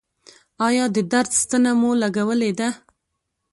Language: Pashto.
ایا د درد ستنه مو لګولې ده؟